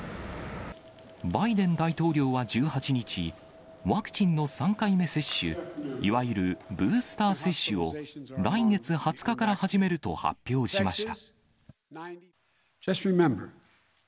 バイデン大統領は１８日、ワクチンの３回目接種、いわゆるブースター接種を、来月２０日から始めると発表しました。